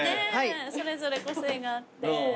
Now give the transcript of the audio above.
それぞれ個性があって。